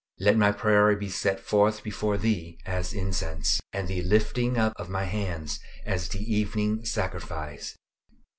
"LET MY PRAYER BE SET FORTH BEFORE THEE AS INCENSE: AND THE LIFTING UP OF MY HANDS AS THE EVENING SACRIFICE."